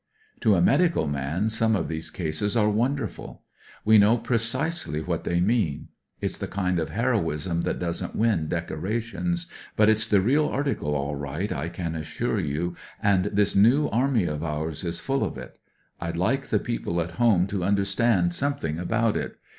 "To a medical man some of these cases are wonderful. We know precisely what they mean. It's the kind of heroism that doesn't win decorations; but it's the real article aU right, I can assure you, and this New Army of ours is full of it. I'd like the people at home to understand something about it.